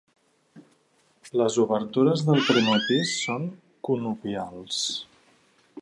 Les obertures del primer pis són conopials.